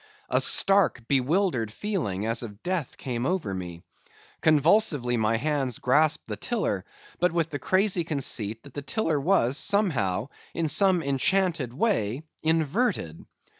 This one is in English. A stark, bewildered feeling, as of death, came over me. Convulsively my hands grasped the tiller, but with the crazy conceit that the tiller was, somehow, in some enchanted way, inverted.